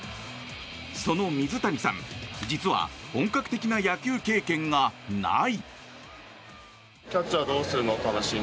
その水原さん実は本格的な野球経験がない。